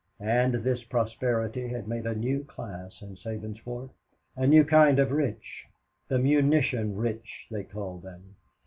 And this prosperity had made a new class in Sabinsport, a new kind of rich the munition rich they called them.